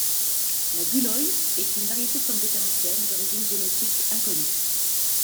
La 'Gulløye' est une variété de pomme de terre ancienne, d'origine génétique inconnue.